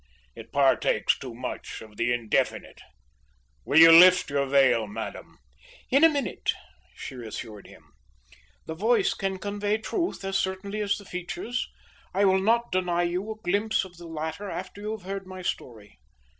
It partakes too much of the indefinite. Will you lift your veil, madam?" "In a minute," she assured him. "The voice can convey truth as certainly as the features. I will not deny you a glimpse of the latter after you have heard my story.